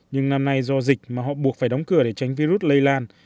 nhưng năm nay do dịch mà họ buộc phải đóng cửa để tránh virus lây lan